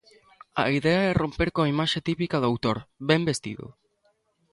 A idea é romper coa imaxe típica do autor, ben vestido.